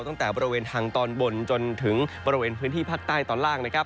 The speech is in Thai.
ตั้งแต่บริเวณทางตอนบนจนถึงบริเวณพื้นที่ภาคใต้ตอนล่างนะครับ